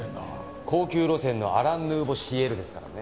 高級路線のアラン・ヌーボー・シエルですからね。